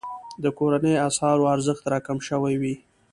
د کورنیو اسعارو ارزښت راکم شوی وي.